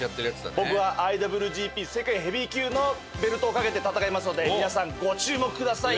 僕はＩＷＧＰ世界ヘビー級のベルトを懸けて戦いますので皆さんご注目ください。